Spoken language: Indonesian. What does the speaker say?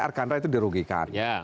arkandra itu dirugikan